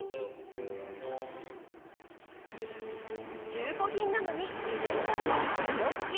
中古品なのに２年間の保証付き。